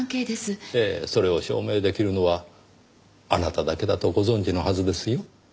ええそれを証明出来るのはあなただけだとご存じのはずですよ。